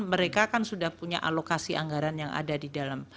mereka kan sudah punya alokasi anggaran yang ada di dalam